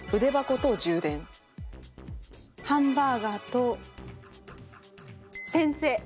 「ハンバーガー」と「先生」。